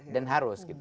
dan harus ya